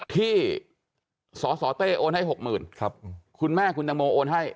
ที่สสเต้โอนให้๖๐๐๐คุณแม่คุณตังโมโอนให้